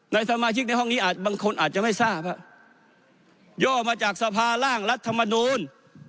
ในสมาชิกในห้องนี้อาจบางคนอาจจะไม่ทราบย่อมาจากสภาร่างรัฐมนูล